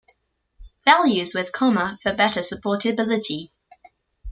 Values with comma for better sortability.